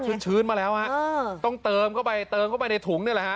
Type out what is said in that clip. ชื่นชื่นมาแล้วฮะต้องเติมเข้าไปในถุงนี่ฮะ